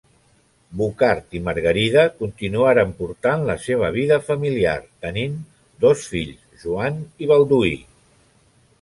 Bucard i Margarida continuaren portant la seva vida familiar, tenint dos fills, Joan i Balduí.